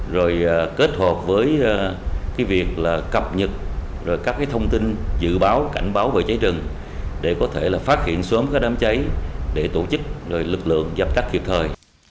rồi kết hợp với việc cập nhật các thông tin dự báo cảnh báo về cháy rừng để có thể phát hiện sớm các đám cháy để tổ chức lực lượng giáp tác kịp thời